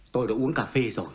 tôi đã uống cà phê rồi